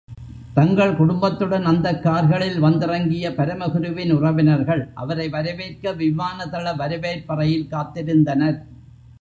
தங்கள் குடும்பத்துடன் அந்தக் கார்களில் வந்திறங்கிய பரமகுருவின் உறவினர்கள், அவரை வரவேற்க விமானதள வரவேற்பறையில் காத்திருந்தனர்.